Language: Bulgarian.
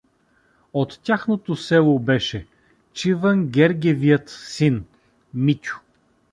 От тяхното село беше, Чивънгергевият син, Митю.